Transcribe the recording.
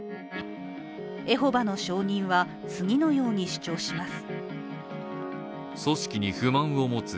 エホバの証人は、次のように主張します。